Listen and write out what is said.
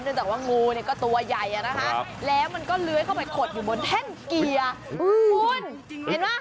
เนื่องจากว่างูเนี่ยก็ตัวใหญ่แล้วมันก็เลื้อยเข้าไปขดอยู่บนเท่นเกียร์